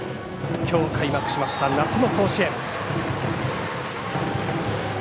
今日、開幕しました夏の甲子園。